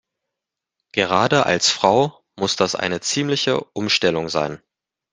Gerade als Frau muss das eine ziemliche Umstellung sein.